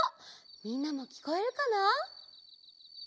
みんなもきこえるかな？